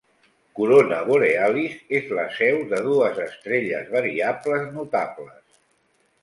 Corona Borealis és la seu de dues estrelles variables notables.